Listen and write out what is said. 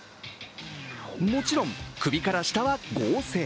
もちろん、首から下は合成。